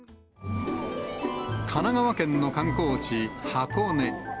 神奈川県の観光地、箱根。